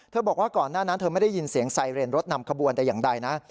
บอกว่าก่อนหน้านั้นเธอไม่ได้ยินเสียงไซเรนรถนำขบวนแต่อย่างใดนะ